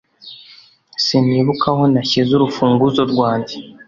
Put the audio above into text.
Sinibuka aho nashyize urufunguzo rwanjye